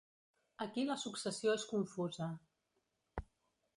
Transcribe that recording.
Aquí la successió és confusa.